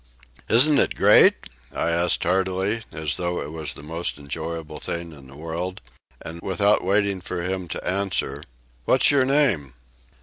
"Isn't it great?" I asked heartily, as though it was the most enjoyable thing in the world; and, without waiting for him to answer: "What's your name?"